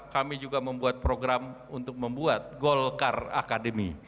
kami juga membuat program untuk membuat golkar academy